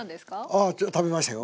ああ食べましたよ。